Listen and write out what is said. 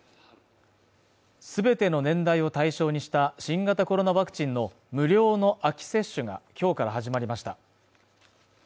全ての年代を対象にした新型コロナワクチンの無料の秋接種がきょうから始まりました